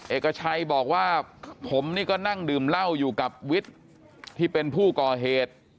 เอกชัยบอกว่าผมนี่ก็นั่งดื่มเหล้าอยู่กับวิทย์ที่เป็นผู้ก่อเหตุ